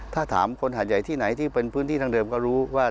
ถ้าถามคนหาดใหญ่ที่ไหนที่เป็นพื้นที่ทางเดิมก็รู้ว่า